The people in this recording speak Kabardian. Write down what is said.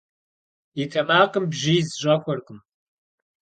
И тэмакъым бжьиз щӀэхуэркъым.